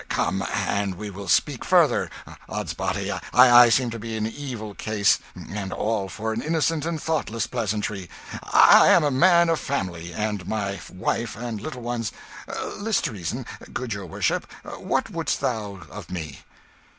come, and we will speak further. Ods body! I seem to be in evil case and all for an innocent and thoughtless pleasantry. I am a man of family; and my wife and little ones List to reason, good your worship: what wouldst thou of me?"